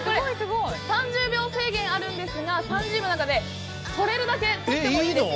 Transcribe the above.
３０秒制限があるんですが３０秒の中で取れるだけ取ってもいいです。